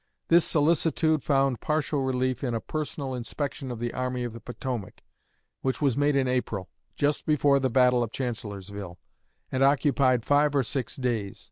This solicitude found partial relief in a personal inspection of the Army of the Potomac, which was made in April, just before the battle of Chancellorsville, and occupied five or six days.